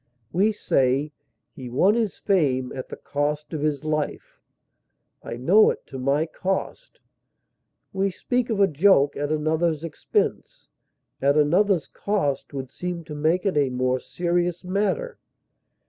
We say, "he won his fame at the cost of his life;" "I know it to my cost;" we speak of a joke at another's expense; at another's cost would seem to make it a more serious matter.